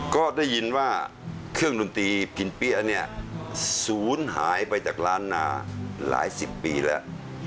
ก็ได้ยินว่าเครื่องดนตรีพินเปี๊ยะเนี่ยศูนย์หายไปจากล้านนาหลายสิบปีแล้ว